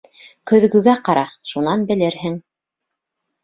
— Көҙгөгә ҡара, шунан белерһең.